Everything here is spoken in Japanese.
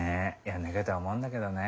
やんなきゃとは思うんだけどね